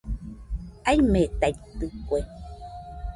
Aimetaitɨkue